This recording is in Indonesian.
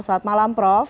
selamat malam prof